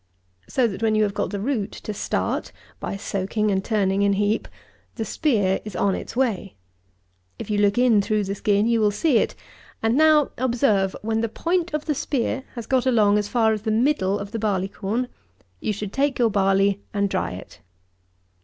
So that, when you have got the root to start, by soaking and turning in heap, the spear is on its way. If you look in through the skin, you will see it; and now observe; when the point of the spear has got along as far as the middle of the barley corn, you should take your barley and dry it.